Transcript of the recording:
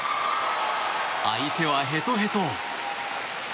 相手は、へとへと。